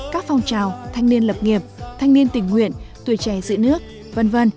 các phong trào thanh niên lập nghiệp thanh niên tình nguyện tuổi trẻ dự nước v v